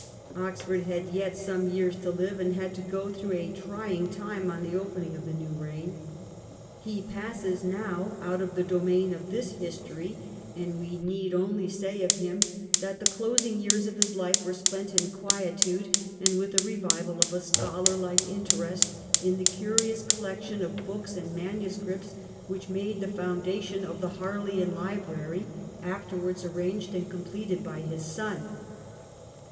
Oxford had yet some years to hve, and had to go through a trying time on the opening of the new reign. He passes now out of the domain of this history, and we need only say of him that the closing 1714 OXFOBD'S LEARNED LEISURE. 351 years of his life were spent in quietude, and with a revival of a scholarlike interest in the curious collec tion of books and manuscripts which made the foun dation of the Harleian Library, afterwards arranged and completed by his son.